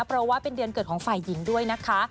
เพราะว่าเป็นเดือนเกิดของฝ่ายหญิงด้วยนะคะ